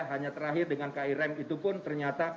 hanya terakhir dengan ki rem itu pun ternyata